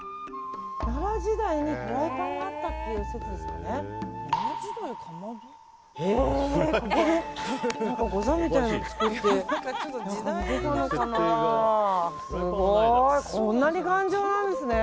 奈良時代にフライパンがあったっていう説ですね。